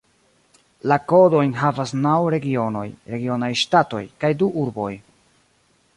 La kodojn havas naŭ regionoj (regionaj ŝtatoj) kaj du urboj.